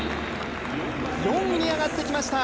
４位に上がってきました。